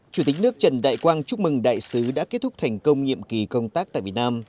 chủ tịch nước trần đại quang chúc mừng đại sứ đã kết thúc thành công nhiệm kỳ công tác tại việt nam